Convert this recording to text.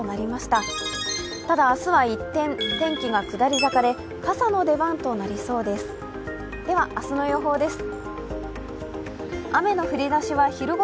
ただ明日は一転、天気が下り坂で傘の出番となりそうです。